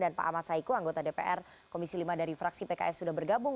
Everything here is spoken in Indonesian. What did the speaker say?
dan pak ahmad saiku anggota dpr komisi lima dari fraksi pks sudah bergabung